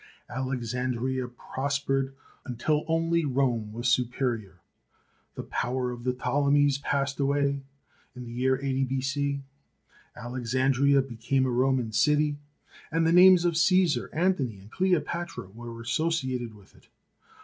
Alexandria prospered until only Rome was superior; the power of the Ptolemies passed away; in the year 80 B.C., Alex andria became a Roman city, and the names of Caesar, Antony, and Cleopatra were associated with it.